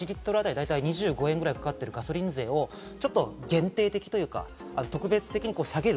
大体２５円ぐらいかかっているガソリン税を限定的というか、特別的に下げる。